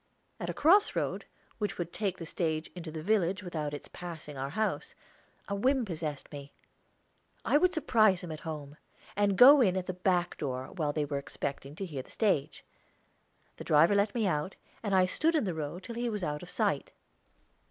At a cross road, which would take the stage into the village without its passing our house, a whim possessed me. I would surprise them at home, and go in at the back door, while they were expecting to hear the stage. The driver let me out, and I stood in the road till he was out of sight.